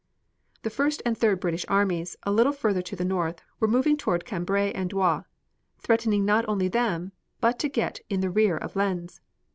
The first and third British armies, a little further to the north, were moving toward Cambrai and Douai, threatening not only them, but to get in the rear of Lens.